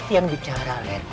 hati yang bicara lens